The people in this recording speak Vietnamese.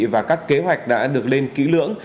và các kế hoạch đã được lên kỹ lưỡng